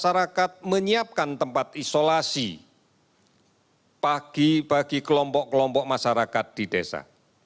pemerintah juga telah menyiapkan tempat isolasi bagi bagi kelompok kelompok masyarakat di desa